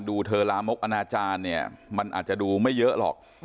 เธอลามกอนาจารย์เนี่ยมันอาจจะดูไม่เยอะหรอก